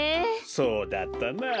そうだったなあ。